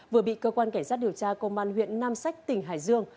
vừa bị cơ quan cảnh sát điều tra công an huyện nam sách tỉnh hải dương